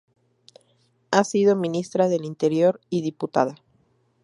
Ha sido ministra del Interior y diputada.